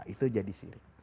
itu jadi sirik